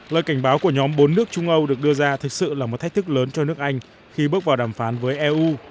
lời cảnh báo của nhóm bốn nước trung âu được đưa ra thực sự là một thách thức lớn cho nước anh khi bước vào đàm phán với eu